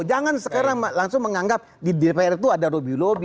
jangan sekarang langsung menganggap di dpr itu ada lobby lobby